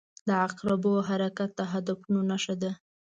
• د عقربو حرکت د هدفونو نښه ده.